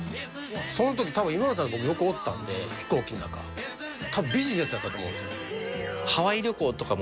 その時多分今田さんの横おったんで飛行機の中。多分ビジネスやったと思うんですよ。